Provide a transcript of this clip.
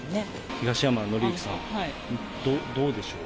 東山紀之さん、どうでしょうか。